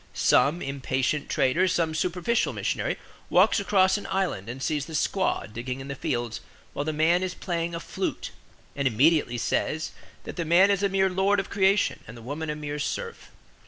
Some impatient trader, some superficial missionary, walks across an island and sees the squaw digging in the fields while the man is playing a flute; and immediately says that the man is a mere lord of creation and the woman a mere serf.